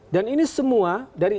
dan ini semua dari